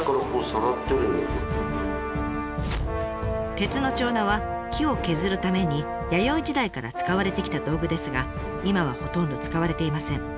鉄の釿は木を削るために弥生時代から使われてきた道具ですが今はほとんど使われていません。